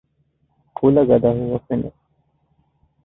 ކުލަގަދަ ހުވަފެނެއް